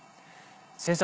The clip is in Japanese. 先生